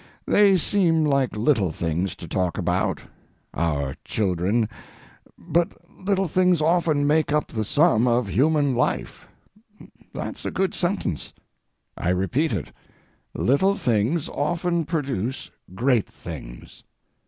They seem like little things to talk about—our children, but little things often make up the sum of human life—that's a good sentence. I repeat it, little things often produce great things.